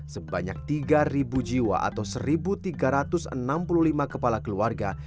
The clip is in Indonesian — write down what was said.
sebanyak tiga jiwa atau satu tiga ratus enam puluh lima kepala keluarga